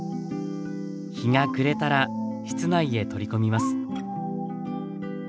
日が暮れたら室内へ取り込みます。